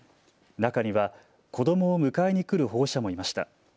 中には子どもを迎えに来る保護者もいました。